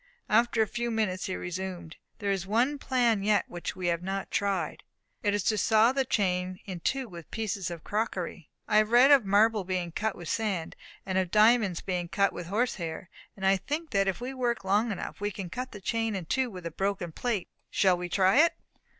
After a few minutes he resumed: "There is one plan yet which we have not tried; it is to saw the chain in two with pieces of crockery. I have read of marble being cut with sand, and of diamonds being cut with horse hair. And I think that if we work long enough we can cut the chain in two with a broken plate. Shall we try it?"